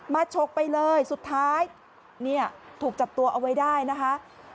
ฉกไปเลยสุดท้ายเนี่ยถูกจับตัวเอาไว้ได้นะคะ